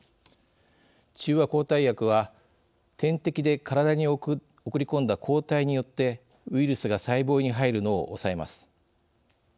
中和抗体薬は点滴で体に送り込んだ抗体によってウイルスが細胞に入るのを抑えます。